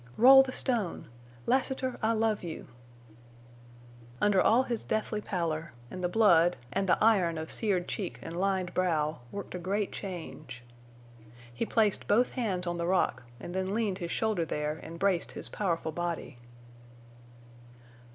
"Roll the stone!... Lassiter, I love you!" Under all his deathly pallor, and the blood, and the iron of seared cheek and lined brow, worked a great change. He placed both hands on the rock and then leaned his shoulder there and braced his powerful body.